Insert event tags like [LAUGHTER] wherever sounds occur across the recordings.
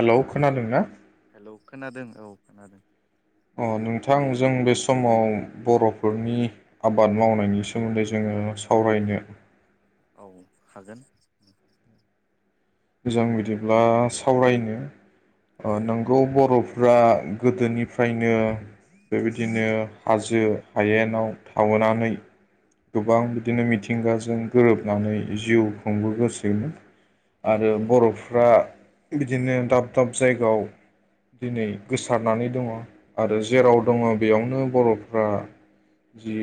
Hello खोनादोंना? औ खोनादों औ खोनादों। अ नोंथां जों बे समाव बर'फोरनि आबाद मावनायनि सोमोन्दै जोङो सावरायनो औ हागोन। जों बिदिब्ला सावरायनो औ अ नोंगौ बर' फोरा गोदोनिफ्रायनो बेबायदिनो हाजो हायेनाव थाबोनानै गोबां बिदिनो मिथिंगाजों गोरोबनानै जिउ खुंबो गोसिनोमोन। आरो औ बर'फ्रा बिदिनो दाब दाब जायगायाव दिनै गोसारनानै दङ। आरो जेराव नंगौ दङ बेयावनो बर'फ्रा जि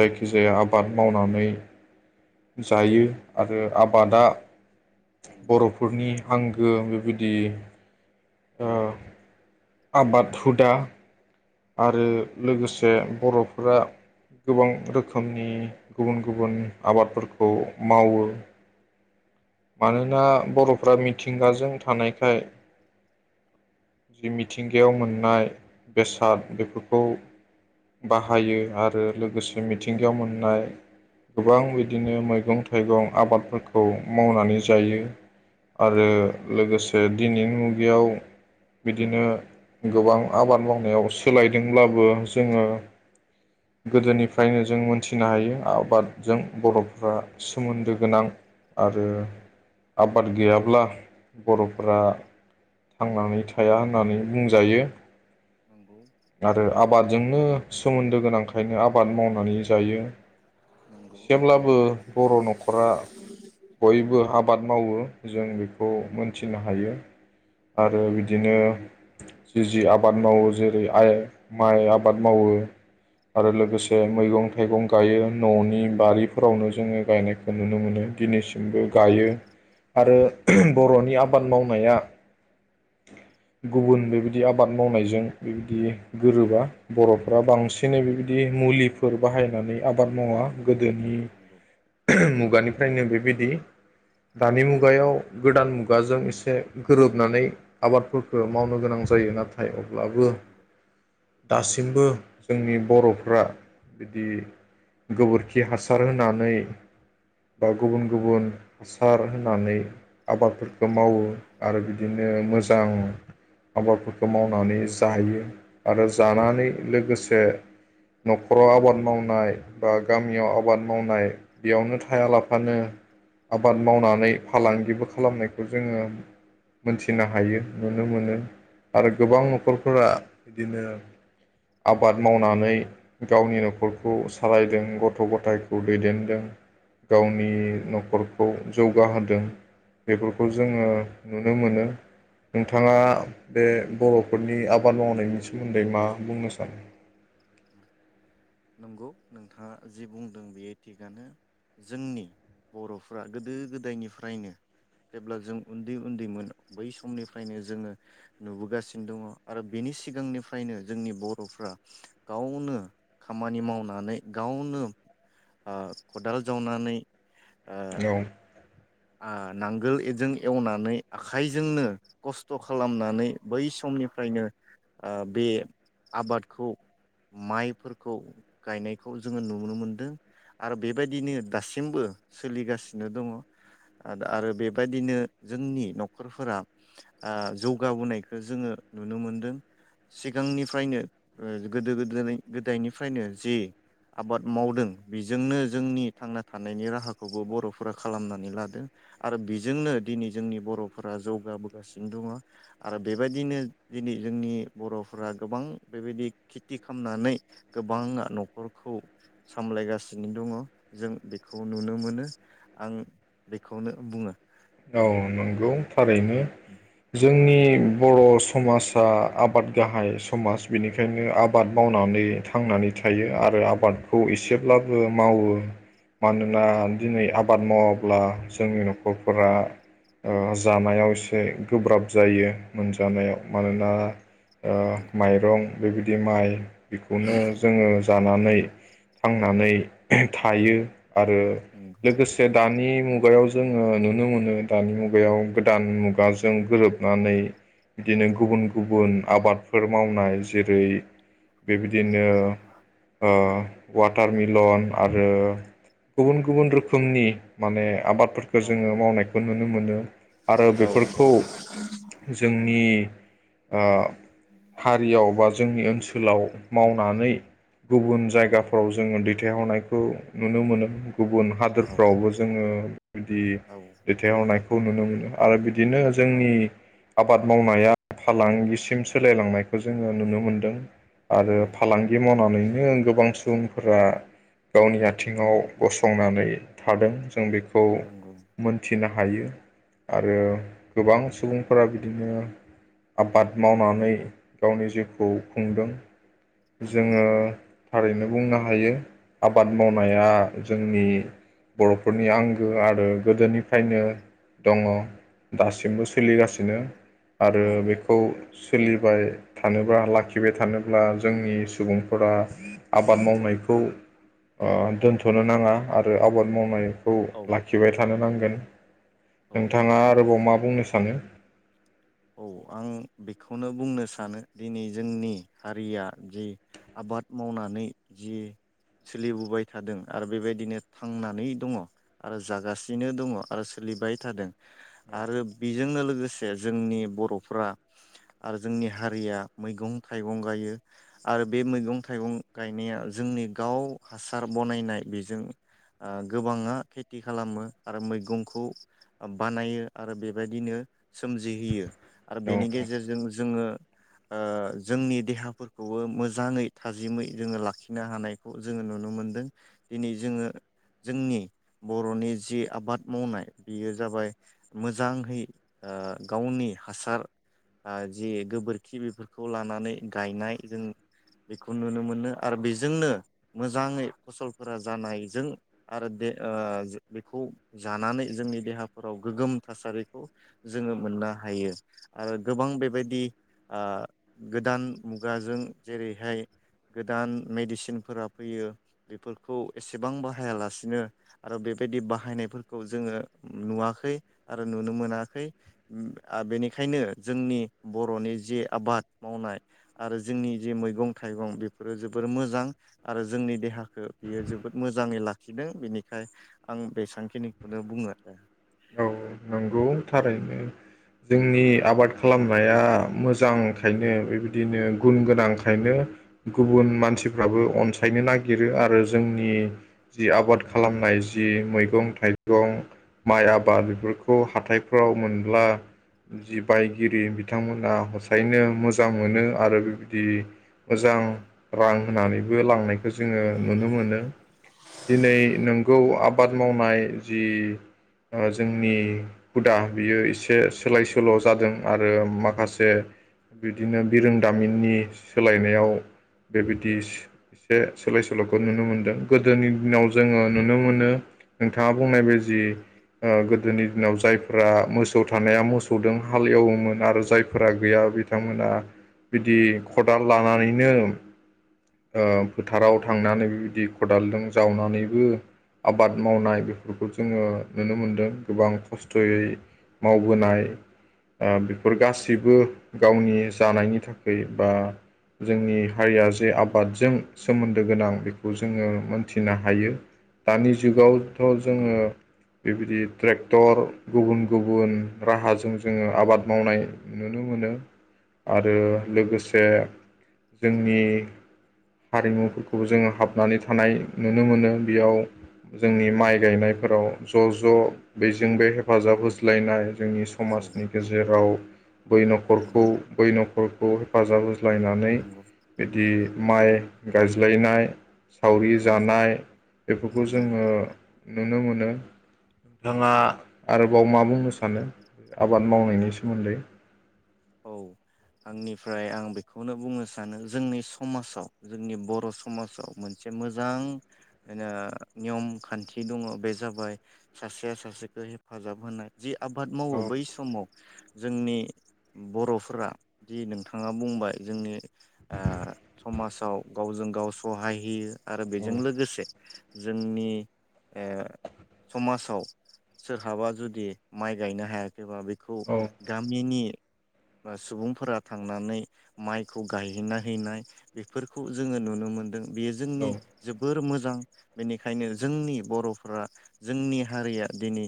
जायखिजाया आबाद मावनानै जायो आरो आबादा नंगौ बर'फोरनि आं गो बेबायदि ओ आबाद हुदा आरो लोगोसे औ बर'फोरा गोबां रोखोमनि गुबुन गुबुन आबादफोरखौ मावो मानोना बर'फ्रा मिथिंगाजों थानायखाय जि औ मिथिंगायाव मोननाय बेसाद बेफोरखौ बाहायो आरो लोगोसे मिथिंगायाव मोननाय गोबां बिदिनो मैगं थाइगं आबादफोरखौ मावनानै जायो। आरो नंगौ लोगोसे दिनै मुगायाव बिदिनो गोबां आबाद मावनायाव सोलायदोंब्लाबो जोङो गोदोनिफ्रायनो जों मोनथिनो हायो आबादजों बर'फोरा सोमोन्दो गोनां आरो औ आबाद गैया ब्ला बर'फोरा थांनानै थाया होननानै बुंजायो। नंगौ आरो नंगौ आबादजोंनो सोमोन्दो गोनांखायनो आबाद मावनानै जायो एसेब्लाबो बर' न'खरा जेबो आबाद मावो जों बेखौ मोनथिनो हायो आरो नंगौ बिदिनो जि जि आबाद मावो जेरै आइ माइ आबाद मावो आरो लोगोसे नंगौ मैगं थाइगं गायो न'नि बारिफोरावनो जोङो गायनायखौ नुनो मोनो दिनिसि गायो नंगौ आरो नंगौ नंगौ बर'नि आब आबाद मावनाया गुबुन बेबायदि आबाद मावनायजों बेबायदि गोरोबा बर'फ्रा बांसिनै बेबायदि मुलिफोर बाहायनानै आबाद मावा गोदोनि नंगौ मुगानि ओफ्राय नों बेबायदि दि दानि नंगौ मुगायाव गोदान मुग गाजों एसे गोरोबनानै आबादफोरखो मावनो गोनां जायो नाथ थाय ब्लाबो नंगौ दासिमबो जोंनि बर'फ्रा बिदि गोबोरखि हासार होनानै बा गुबुन नंगौ गुबुन सार होनानै आबादफोरखो मावो आरो बिदिनो मोजां आबादफोरखौ मावनानै जायो आरो जानानै लोगोसे न'खराव आबाद मावनाय बा गामियाव आबाद मावनाय बेयावनो थाया लाफानो आबाद मावनानै फालांगिबो खालामनायखौ जोङो मोनथिनो हायो नुनो मोनो आरो औ गोबां न'खरफोरा औ बिदिनो आबाद मावनानै गावनि न'खरखौ सालायदों गथ' गथाय खौ दैदेनदों नंगौ गावनि न'खरखौ जौगाहोदों बेफोरखौ औ जोङो नुनो मोनो नोंथाङा बे बर'फोरनि आबाद मावनायनि सोमोन्दै मा बुंनो सानो नंगौ नोंथाङा जि बुंदों बेयो थिगानो जोंनि बर'फ्रा गोदो गोदायनिफ्रायनो जेब्ला जों उन्दै उन्दैमोन बै समनिफ्रायनो जोङो नुबोगासिनो दङ आरो बेनि सिगांनिफ्रायनो जोंनि बर'फ्रा गावनो खामानि मावनानै गावनो ओ खदाल जावनानै ओ औ आं नांगोल एजों एवनानै आखाइजोंनो खस्थ' खालामनानै बै समनिफ्रायनो ओ बे आबादखौ माइफोरखौ गायनायखौ जोङो नुनो मोनदों आरो बेबायदिनो दासिमबो सोलिगासिनो दङ ओ दा आरो बेबायदिनो जोंनि न'खरफोरा ओ जौगाबोनायखो जोङो नुनो मोनदों सिगांनिफ्रायनो ओ गोदो गोदो गोदायनिफ्रायनो जि आबाद मावदों बेजोंनो जोंनि थांना थानायनि राहाखौबो बर'फोरा खालामना नानै लादों आरो बेजोंनो दिनै जोंनि बर'फोरा जौगाबोगासिनो दङ आरो बेबायदिनो दिनै जोंनि बर'फोरा गोबां बेबायदि खिथि खालामनानै गोबाङा न'खरखौ सामलायगासिनो दङ जों बेखौ नुनो मोनो आं बेखौनो बुङो। औ नंगौ। थारैनो जोंनि बर' समाजा आबाद गाहाय समाज बेनिखायनो आबाद मावनानै थांनानै थायो आरो आबादखौ एसेब्लाबो मावो मानोना दिनै आबाद मावाब्ला जोंनि न'खर फोरा ओ जानायाव एसे गोब्राब जायो मोनजानाया मानोना ओ माइरं ओमफ्राय बिदि माइ बेखौनो जोङो जानानै थांनानै थायो। आरो लोगोसे दानि मुग गायाव जोङो नु नुनो मोनो दानि मुगायाव गोदान मुगाजों गोरोबनानै बिदिनो गुबुन गुबुन आबादफोर मावनाय जेरै बेबायदिनो ओ वाटार मिलन आरो गुबुन गुबुन रोखोमनि माने आबाद फोरखो औ जोङो नायखौ नुनो मोनो। आरो औ बेफोरखौ जोंनि ओ हारियाव बा जोंनि ओनसोलाव मावनानै गुबुन जायगाफोराव जोङो दैथायहरनायखौ नुनो मोनो। गुबुन औ हादोरफ्रावबो जोङो बिदि औ रनायखौ नुनो मोनो आरो बिदि बिदिनो औ जोंनि आबाद मावनाया फालांगिसिम सोलायलांनायखौ जोङो नुनो मोनदों। आरो औ फालांगि मन नानैनो गोबां सुबुंफोरा गावनि आथिङाव गसंनानै थादों। जों बेखौ नंगौ नो हायो आरो गोबां सुबुंफोरा बिदिनो आबाद मावनानै गावनि जिउखौ खुंदों। नंगौ जोङो थारैनो बुंनो हायो। आबाद औ मावनाया जोंनि बर'फोरनि आंगो आरो गोदोनिफ्रायनो दङ। दासिमबो औ सोलिगासिनो आरो बेखौ सोलिबाय थानोब्ला लाखिबाय थानोब्ला जोंनि सुबुंफोरा आबाद मावनायखौ दोनथ'नो नाङा आरो आबाद मावनाय खौ औ लाखिबाय थानो नां [INAUDIBLE] औ नोंथाङा आरोबाव मा बुंनो सानो औ आं बेखौनो बुंनो सानो दिनै जोंनि हारिया जि आबाद मावनानै जि सोलिबोबाय थादों आरो बेबायदिनो थांनानै दङ आरो जागासिनो दङ आरो सोलिबाय थादों आरो बेजोंनो लोगोसे जोंनि बर'फ्रा आरो जोंनि हारिया मैगं थाइगं गायो आरो बे मैगं थाइगं गायनाया जोंनि गाव हासार बनायनाय बेजों गोबाङा खेथि खालामो आरो मैगंखौ बानायो आरो बेबायदिनो सोमजिहोयो आरो औ बेनि औ गेजेरजों जोङो ओ जोंनि देहाफोरखौबो मोजाङै थाजिमै जोङो लाखिनो हानायखौ जोङो नुनो मोनदों दिनै जोङो जोंनि बर'नि जि आबाद मावनाय बेयो जाबाय मोजाङहै ओ गावनि हासार जि गोबोरखि बेफोरखौ लानानै गायनाय जों बेखौ नुनो मोनो आरो बेजोंनो मोजाङै फसलफोरा जानायजों आरो ओ बेखौ जानानै जोंनि देहाफोराव गोग्गोम थासारिखौ जोङो मोननो हायो आरो गोबां बेबायदि आ गोदान मुगाजों जेरैहाय गोदान मेडिसिनफोरा फैयो बेफोरखौ एसेबां बाहायालासिनो आरो बेबायदि बाहायनायफोरखौ जोङो नुवाखै आरो नुनो मोनाखै आ बेनिखायनो जोंनि बर'नि जे आबाद मावनाय आरो जोंनि जे मैगं थाइगं बेफोरो जोबोर मोजां आरो जोंनि देहाखौ बियो जोबोद मोजाङै लाखिदों बेनिखाय आं बेसेबांखिनिखौनो बुङो आरो बुं थारैनो जोंनि आबाद खालामनाया मोजांखायनो बेबायदिनो गुन गोनांखायनो गुबुन मानसिफ्राबो अनसायनो नागिरो आरो जोंनि जि आबाद खालामनाय जि मैगं थाइगं माइ आबाद बेफोरखौ हाथाइ हाथाइफ्राव मोनब्ला जि बायगिरि बिथांमोना हसायनो मोजां मोनो आरो बेबायदि मोजां रां होनानैबो लांनायखौ जोङो नुनो मोनो दिनै नोंगौ आबाद मावनाय जि जोंनि हुदा बियो एसे सोलाय सोल' जादों आरो माखासे बिदिनो बिरोंदामिननि सोलायनायाव बेबायदि एसे सोलाय सोल'खौ नुनो मोनदों गोदोनि दिनाव जोङो नुनो मोनो नोंथाङा बुंनाय बायदि गोदोनि दिनाव जाय फोरा मोसौ थानाया मोसौजों हालेवोमोन आरो जायफोरा गैया बिथांमोना बिदि खदाल लानानैनो ओ फोथाराव थांनानै बेबायदि खदालजों जावनानैबो आबाद मावनाय बेफोरखौ जोङो नुनो मोनदों गोबां खस्थ' खस्थयै मावबोनाय बेफोर गासैबो गावनि जानायनि थाखाय बा जोंनि हारिया जे आबादजों सोमोन्दो गोनां बेखौ जोंङो मोनथिनो हायो दानि जुगाव। थ नंगौ जोंङो बेबायदि। ट्रेक्टर। गुबुन गुबुन राहाजों जोंङो आबाद मावनाय नुनो मोनो आरो लोगोसे जोंनि हारिमुफोरखौबो जोंङो हाबनानै थानाय नुनो मोनो बेयाव जोंनि माइ गायनायफोराव ज'ज' बेजों बे हेफाजाब नंगौ होज्लायनाय जोंनि औ समाजनि गेजेराव बै न'खरखौ नंगौ बै नखर खौ हेफाजाब होनाय। होज्लायनानै नंगौ बिदि। माइ गायज्लायनाय। सावरि नंगौ जानाय बेफोरखौ नंगौ जोंङो। नुनो मोनो नोंथाङा। आरोबाव मा बुंनो सानो आबाद मावनायनि सोमोन्दै। औ आंनिफ्राय आं बेखौनो बुंनो सानो जोंनि समाजाव जोंनि बर' समाजाव मोनसे मोजां नियम खान्थि दङ बे जाबाय सासेया सासेखौ हेफाजाब होनाय जि आबाद औ मावो औ बै समाव जोंनि बर'फोरा जि नोंथाङा बुंबाय जोंनि समाजाव गावजों गाव सहाय होयो। आरो बेजों लोगोसे। जोंनि ओ समाजाव सोरहाबा जुदि माइ गायनो हाया खैबा एबा बेखौ औ गामिनि सुबुंफोरा थांनानै माइखौ गायहैना हैनाय बेफोरखौ जोंङो नुनो मोनदों। बेयो औ जोंनि जोबोर मोजां। मोजां बेनिखायनो जोंनि बर'फोरा जोंनि हारिया दिनै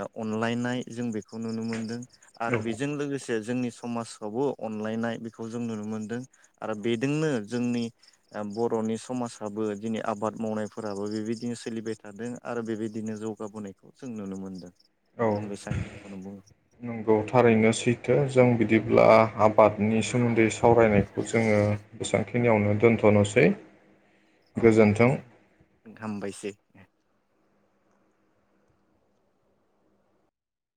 अनलायनाय जों बेखौ नुनो मोनदों। आरो बेजों लोगोसे। जे जोंनि समाजावबो अनलायनाय बेखौ जों नुनो मोनदों आरो बेजोंनो जोंनि बर'नि समाजाबो दिनै आबाद मावनायफोराबो बेबायदिनो सोलिबाय थादों आरो बेबायदिनो जौगाबोनायखौ जों नुनो मोनदों। औ आं बेसांखिनिखौनो बुङो नंगौ थारैनो सैथो। जों बिदिब्ला। आबादनि सोमोन्दै सावरायनायखौ जोंङो बेसेबांखिनि खिनियावनो दोन्थ'नोसै। औ ओं हामबायसै।